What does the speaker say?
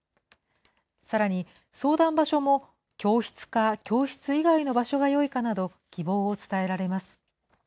さらに、相談場所も教室か教室以外の場所がよいかなど、希望を伝えられます。